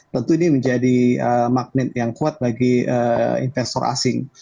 tentu ini menjadi magnet yang kuat bagi investor asing